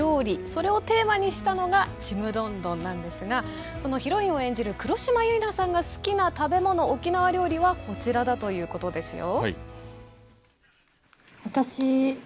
それをテーマにしたのが「ちむどんどん」なんですがそのヒロインを演じる黒島結菜さんが好きな食べ物沖縄料理はこちらだということですよ。